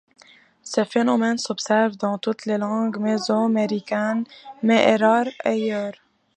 Ce phénomène s'observe dans toutes les langues mésoaméricaines, mais est rare ailleurs.